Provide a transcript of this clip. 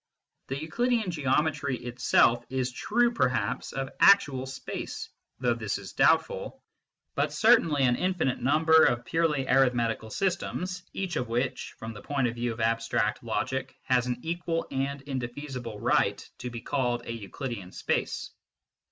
The Euclidean geometry itself is true perhaps of actual space (though this is doubtful), but certainly of an infinite number of purely arithmetical systems, each of which, from the point of view of abstract logic, has an equal and inde feasible right to be called a Euclidean space.